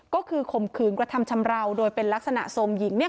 ก็คือข่มขืนกระทำชำราวโดยเป็นลักษณะโทรมหญิง